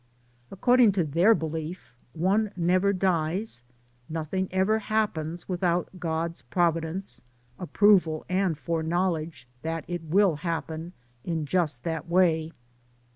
According to their belief one never dies, nothing ever happens without God's provi dence, approval, and foreknowledge that it will happen in just that way.